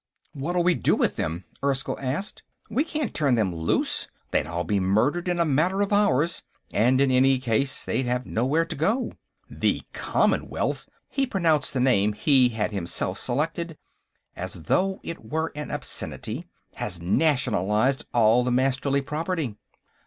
"What'll we do with them?" Erskyll asked. "We can't turn them loose; they'd all be murdered in a matter of hours, and in any case, they'd have nowhere to go. The Commonwealth," he pronounced the name he had himself selected as though it were an obscenity "has nationalized all the Masterly property."